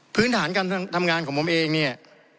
พื้นฐานการทำงานของผมเองเนี่ย